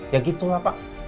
ya gitu lah pak